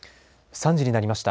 ３時になりました。